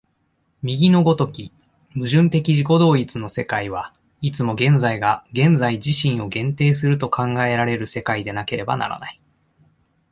右の如き矛盾的自己同一の世界は、いつも現在が現在自身を限定すると考えられる世界でなければならない。